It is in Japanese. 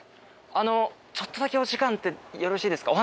あのちょっとだけお時間ってよろしいですか？